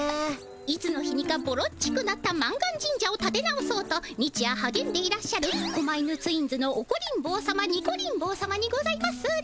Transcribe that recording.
いつの日にかボロっちくなった満願神社をたて直そうと日夜はげんでいらっしゃる狛犬ツインズのオコリン坊さまニコリン坊さまにございますね。